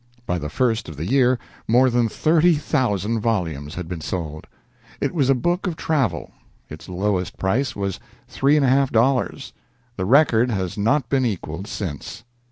By the first of the year more than thirty thousand volumes had been sold. It was a book of travel; its lowest price was three and a half dollars; the record has not been equaled since.